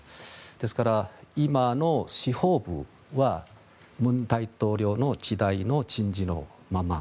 ですから、今の司法部は文大統領の時代の人事のまま。